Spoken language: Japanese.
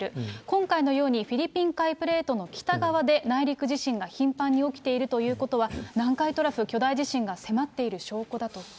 今回のように、フィリピン海プレートの北側で内陸地震が頻繁に起きているということは、南海トラフ巨大地震が迫っている証拠だと。